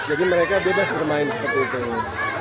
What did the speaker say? jadi mereka bebas bermain seperti itu